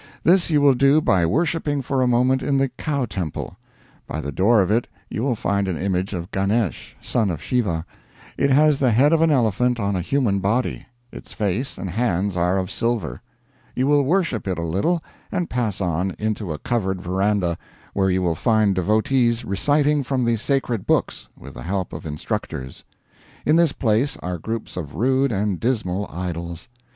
This you will do by worshiping for a moment in the Cow Temple. By the door of it you will find an image of Ganesh, son of Shiva; it has the head of an elephant on a human body; its face and hands are of silver. You will worship it a little, and pass on, into a covered veranda, where you will find devotees reciting from the sacred books, with the help of instructors. In this place are groups of rude and dismal idols.